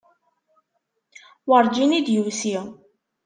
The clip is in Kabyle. Werǧin i d-yusi.